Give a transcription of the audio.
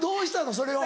それを。